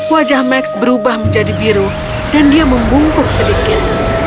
wajah max berubah menjadi biru dan dia membungkuk sedikit